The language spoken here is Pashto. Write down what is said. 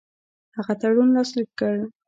هغه تړون لاسلیک کړ.